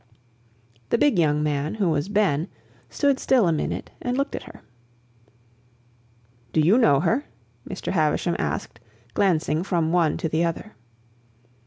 The big young man who was Ben stood still a minute and looked at her. "Do you know her?" Mr. Havisham asked, glancing from one to the other.